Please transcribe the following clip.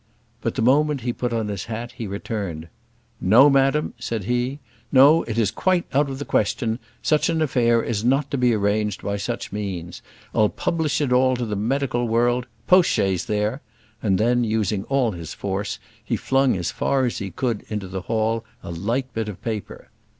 But the moment he put on his hat he returned. "No, madam," said he. "No; it is quite out of the question: such an affair is not to be arranged by such means. I'll publish it all to the medical world post chaise there!" and then, using all his force, he flung as far as he could into the hall a light bit of paper.